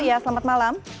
ya selamat malam